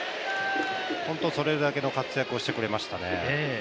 本当にそれだけの活躍をしてくれましたね。